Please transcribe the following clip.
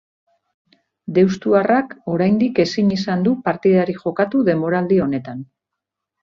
Deustuarrak oraindik ezin izan du partidarik jokatu denboraldi honetan.